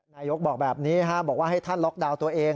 นายกบอกแบบนี้บอกว่าให้ท่านล็อกดาวน์ตัวเอง